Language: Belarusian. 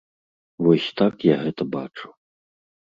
Вось так я гэта бачу.